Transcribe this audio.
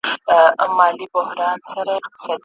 دا محل دی د ښکاریانو دلته نور دامونه هم سته